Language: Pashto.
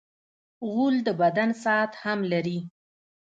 غول د بدن ساعت هم دی.